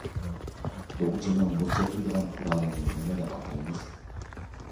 دوغچىنىڭ مۇز چوقۇيدىغان قورالىنى نېمە دەپ ئاتايمىز؟